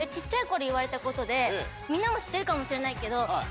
ことでみんなも知ってるかもしれないけど。